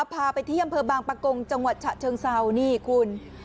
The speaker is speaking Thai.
พาไปเที่ยมเผอร์บางปะกงจังหวัดฉะเชิงเศร้านี่คุณ